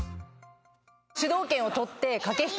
主導権を取って。